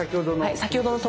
先ほどの。